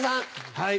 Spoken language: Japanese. はい。